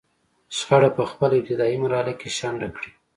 شخړه په خپله ابتدايي مرحله کې شنډه کړي.